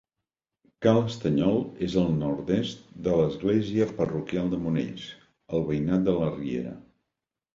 Ca l'Estanyol és al nord-est de l'església parroquial de Monells, al veïnat de la Riera.